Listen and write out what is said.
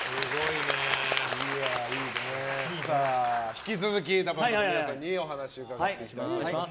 引き続きＤＡＰＵＭＰの皆さんにお話を伺っていきたいと思います。